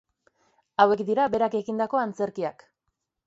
Hauek dira berak egindako antzerkiak.